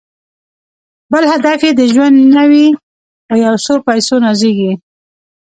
بل هدف یې د ژوند نه وي په یو څو پیسو نازیږي